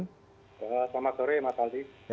selamat sore mas aldi